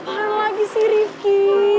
apaan lagi sih rifqi